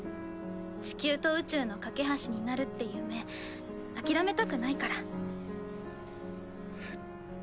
地球と宇宙の懸け橋になるって夢諦めたくないから。